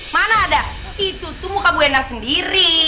mana ada itu tuh muka buendang sendiri